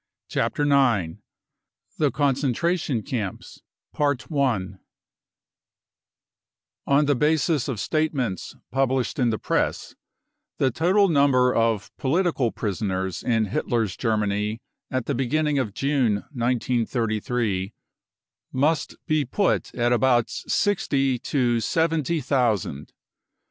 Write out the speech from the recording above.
Chapter IX: THE CONCENTRATION CAMPS On the basis of statements published in the Press the total number of political prisoners in Hitler's Germany at the beginning of June 1933 must be put at about sixty to seventy thousand.